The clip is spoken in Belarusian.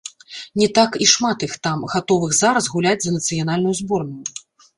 Не так і шмат іх там, гатовых зараз гуляць за нацыянальную зборную.